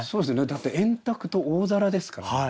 だって「円卓」と「おおざら」ですから。